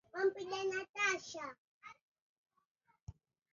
Tenga wanyama walioambukizwa